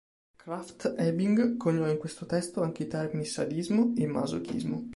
Krafft-Ebing coniò in questo testo anche i termini sadismo e masochismo.